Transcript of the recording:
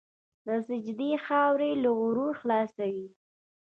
د سجدې خاورې له غرور خلاصوي.